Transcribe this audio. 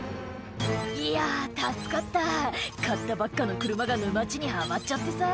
「いや助かった」「買ったばっかの車が沼地にはまっちゃってさ」